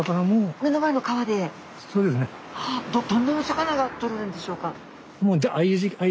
どんなお魚がとれるんでしょうか？